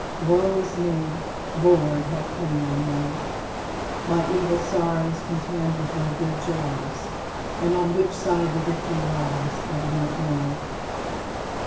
Woe is me! Lord, have pity on me; my evil sorrows contend with my good joys, and on which side the victory lies I do not know.